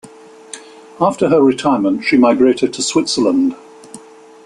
After her retirement she migrated to Switzerland.